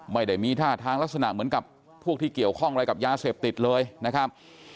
ไม่ได้มีท่าทางลักษณะเหมือนกับพวกที่เกี่ยวข้องอะไรกับยาเสพติดเลยนะครับ